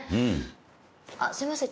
あっすいません